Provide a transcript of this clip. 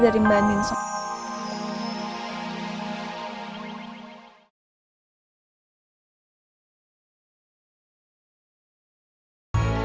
cucu mama juga sempurna